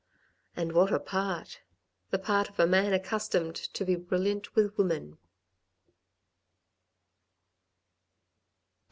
" And what a part ! the part of a man accustomed to be brilliant with women.